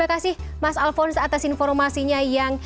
terima kasih mas alvons atas informasinya yang terima